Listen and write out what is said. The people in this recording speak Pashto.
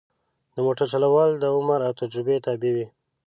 د موټر چلول د عمر او تجربه تابع وي.